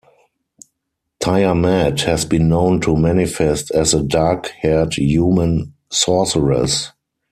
Tiamat has been known to manifest as a dark-haired human sorceress.